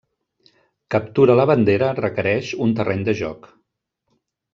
Captura la bandera requereix un terreny de joc.